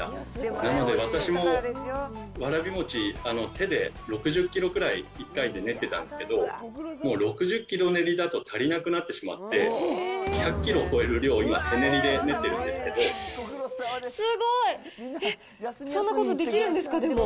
なので、私もわらび餅、手で６０キロくらい１回で練ってたんですけど、もう６０キロ練りだと足りなくなってしまって、１００キロ超える量、今、すごい。えっ、そんなことできるんですか、でも。